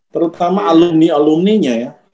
terutama alumni alumni nya ya